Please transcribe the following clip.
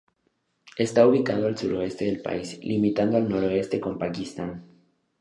Está ubicado al suroeste del país, limitando al noroeste con Pakistán.